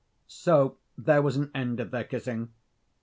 So there was an end of their kissing.